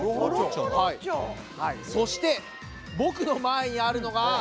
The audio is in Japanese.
そして僕の前にあるのが。